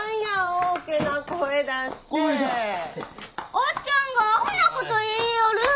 おっちゃんがアホなこと言いよる。